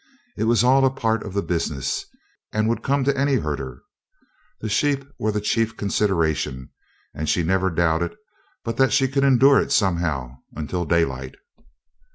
It was all a part of the business and would come to any herder. The sheep were the chief consideration, and she never doubted but that she could endure it somehow until daylight.